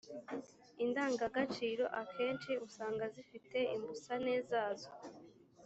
indangagaciro akenshi usanga zifite imbusane zazo